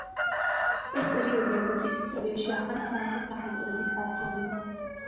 ეს პერიოდი ეგვიპტის ისტორიაში ახალი სამეფოს სახელწოდებითაა ცნობილი.